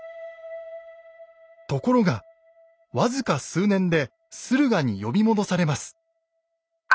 ところが僅か数年で駿河に呼び戻されます。